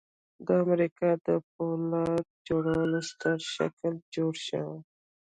د امریکا د پولاد جوړولو ستر تشکیل جوړ شو